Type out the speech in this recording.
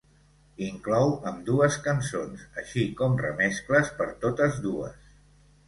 Inclou ambdues cançons, així com remescles per totes dues.